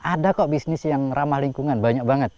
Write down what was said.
ada kok bisnis yang ramah lingkungan banyak banget